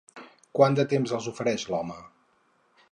Quant de temps els ofereix l'home?